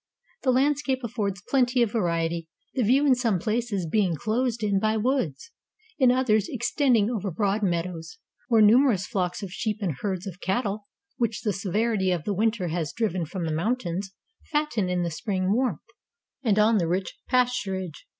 The landscape affords plenty of variety, the view in some places being closed in by woods, in others extending over broad meadows, where numerous flocks of sheep and herds of cattle, which the severity of the winter has driven from the mountains, fatten in the spring warmth, and on the rich pasturage.